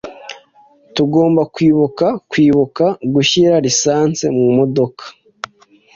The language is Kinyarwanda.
Tugomba kwibuka kwibuka gushyira lisansi mumodoka.